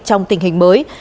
trong tình hình mới